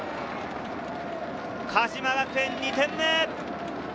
鹿島学園２点目。